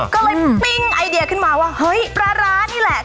ก็เลยปิ้งไอเดียขึ้นมาว่าเฮ้ยปลาร้านี่แหละ